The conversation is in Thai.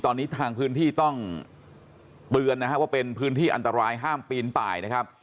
ตอนนี้ทางพื้นที่ต้องเตือนนะฮะว่าเป็นพื้นที่อันตรายห้ามปีนป่ายนะครับ